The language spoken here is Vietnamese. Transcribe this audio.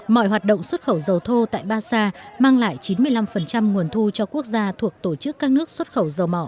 mọi hoạt động xuất khẩu dầu thô tại basa mang lại chín mươi năm nguồn thu cho quốc gia thuộc tổ chức các nước xuất khẩu dầu mỏ